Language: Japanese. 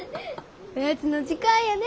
おやつの時間やね。